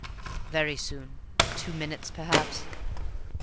"Very soon. Two minutes, perhaps."